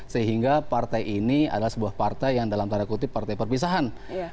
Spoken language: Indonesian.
sehingga partai ini adalah sebuah partai yang dalam tanda kutip partai perpisahan